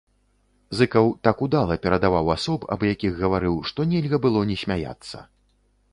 Зыкаў так удала перадаваў асоб, аб якіх гаварыў, што нельга было не смяяцца.